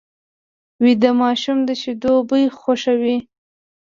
ویده ماشوم د شیدو بوی خوښوي